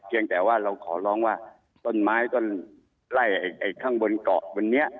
ยังแต่ว่าเราขอร้องว่าต้นไม้ต้นไล่ข้างบนเกาะบนนี้